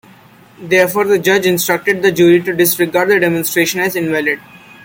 Therefore, the judge instructed the jury to disregard the demonstration as invalid.